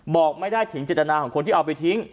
บอกไม่ได้ถึงเจตนาของคนที่เอาไปทิ้ง